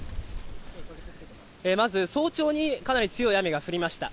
まず、早朝にかなり強い雨が降りました。